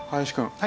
はい。